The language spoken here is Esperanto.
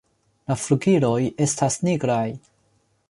La flugiloj estas nigraj.